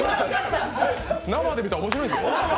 生で見たら面白いですよ。